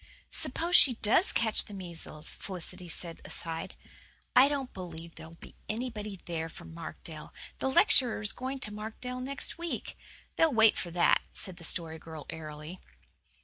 "Suppose she DOES catch the measles?" Felicity said aside. "I don't believe there'll be anybody there from Markdale. The lecturer is going to Markdale next week. They'll wait for that," said the Story Girl airily.